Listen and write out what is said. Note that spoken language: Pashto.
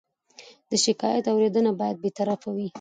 د شکایت اورېدنه باید بېطرفه وي.